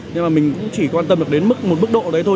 nhưng mà mình cũng chỉ quan tâm được đến một bức độ đấy thôi